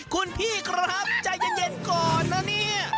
คุณพี่ครับใจเย็นก่อนนะเนี่ย